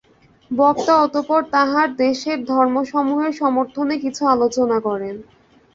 বক্তা অতঃপর তাঁহার দেশের ধর্মসমূহের সমর্থনে কিছু আলোচনা করেন।